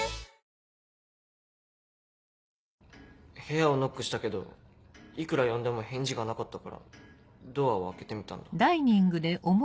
部屋をノックしたけどいくら呼んでも返事がなかったからドアを開けてみたんだ。